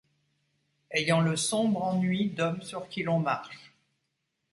Ayant le sombre ennui d'hommes sur qui l'on marche